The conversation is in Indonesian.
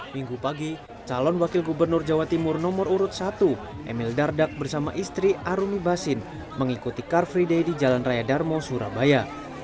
minggu pagi calon wakil gubernur jawa timur nomor urut satu emil dardak bersama istri aruni basin mengikuti car free day di jalan raya darmo surabaya